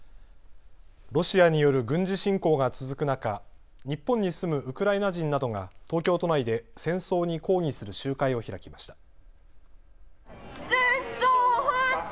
ロシアによる軍事侵攻が続く中日本に住むウクライナ人などが東京都内で戦争に抗議する集会を開きました。